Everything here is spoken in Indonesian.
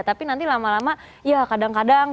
tapi nanti lama lama ya kadang kadang